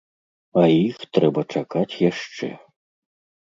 А іх трэба чакаць яшчэ.